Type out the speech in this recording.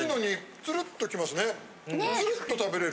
ツルっと食べれる。